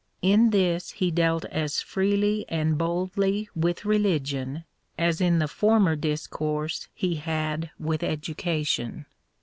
In this he dealt as freely and boldly with religion as in the former discourse he had with education.